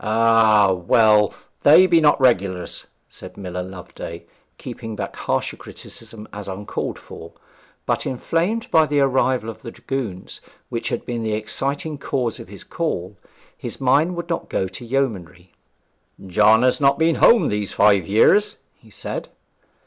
'Ah! well they be not regulars,' said Miller Loveday, keeping back harsher criticism as uncalled for. But inflamed by the arrival of the dragoons, which had been the exciting cause of his call, his mind would not go to yeomanry. 'John has not been home these five years,' he said.